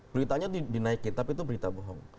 beritanya dinaikin tapi itu berita bohong